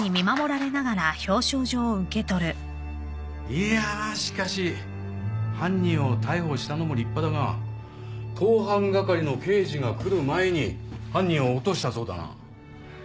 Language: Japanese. いやあしかし犯人を逮捕したのも立派だが盗犯係の刑事が来る前に犯人を落としたそうだな。